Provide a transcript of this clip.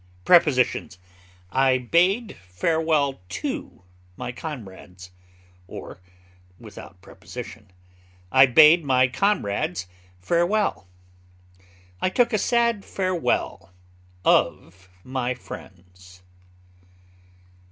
Prepositions: I bade farewell to my comrades, or (without preposition) I bade my comrades farewell; I took a sad farewell of my friends.